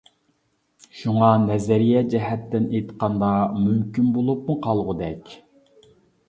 شۇڭا نەزەرىيە جەھەتتىن ئېيتقاندا مۇمكىن بولۇپمۇ قالغۇدەك.